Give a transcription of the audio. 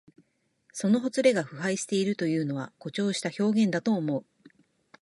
そのほつれが腐敗しているというのは、誇張した表現だと思う。